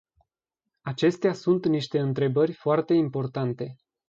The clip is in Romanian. Acestea sunt niște întrebări foarte importante.